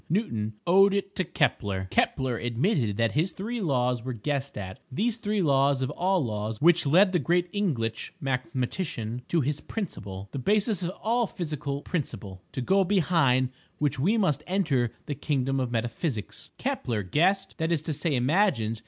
Newton owed it to Kepler. Kepler admitted that his three laws were guessed at—these three laws of all laws which led the great Inglitch mathematician to his principle, the basis of all physical principle—to go behind which we must enter the Kingdom of Metaphysics: Kepler guessed—that is to say imagined.